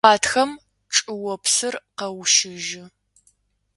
Гъатхэм чӏыопсыр къэущыжьы.